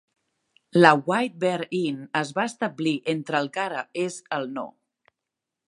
La White Bear Inn es va establir entre el que ara és el No.